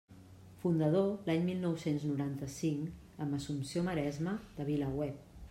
Fundador l'any mil nou-cents noranta-cinc, amb Assumpció Maresma, de VilaWeb.